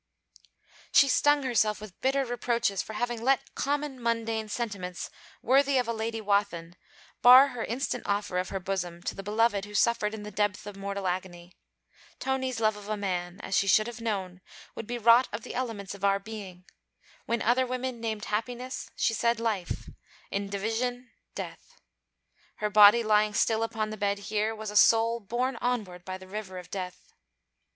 She stung herself with bitter reproaches for having let common mundane sentiments, worthy of a Lady Wathin, bar her instant offer of her bosom to the beloved who suffered in this depth of mortal agony. Tony's love of a man, as she should have known, would be wrought of the elements of our being: when other women named Happiness, she said Life; in division, Death. Her body lying still upon the bed here was a soul borne onward by the river of Death.